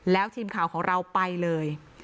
แล้วทีมข่าวของเราไปเลย